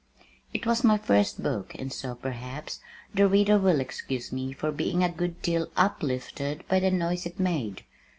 It was my first book, and so, perhaps, the reader will excuse me for being a good deal uplifted by the noise it made.